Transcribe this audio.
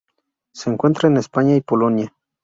Se encuentra en España y Polonia.